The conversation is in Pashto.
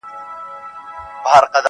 • د خان ماینې ته هر څوک بي بي وایي -